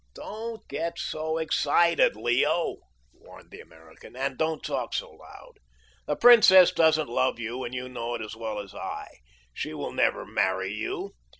"Don't get excited, Leo," warned the American, "and don't talk so loud. The Princess doesn't love you, and you know it as well as I. She will never marry you.